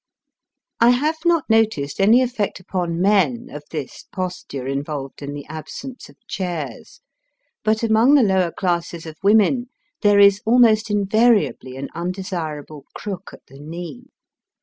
I have not noticed any effect upon men of this posture involved in the absence of chairs, but among the lower classes of women there is almost invariably an undesirable crook at the knee.